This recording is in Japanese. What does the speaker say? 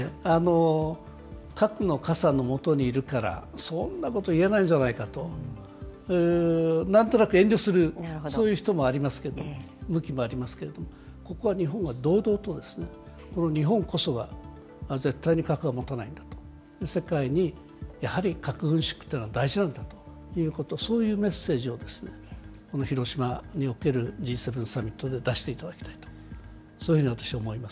核の傘の下にいるから、そんなこと言えないんじゃないかと、なんとなく遠慮する、そういう人もありますけど、向きもありますけれども、ここは日本は堂々と、日本こそが、絶対に核は持たないんだと、世界にやはり核軍縮っていうのは大事なんだということ、そういうメッセージをこの広島におけるＧ７サミットで出していただきたいなと、そういうふうに私は思います。